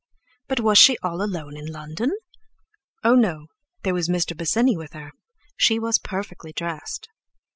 "But was she all alone in London?" "Oh, no; there was Mr. Bosinney with her. She was perfectly dressed."